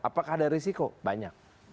apakah ada risiko banyak